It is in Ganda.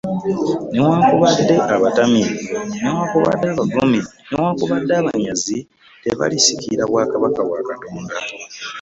Newakubadde abatamiivu, newakubadde abavumi, newakubadde abanyazi, tebalisikira bwakabaka bwa Katonda.